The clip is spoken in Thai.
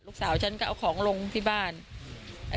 พอลูกเขยกลับเข้าบ้านไปพร้อมกับหลานได้ยินเสียงปืนเลยนะคะ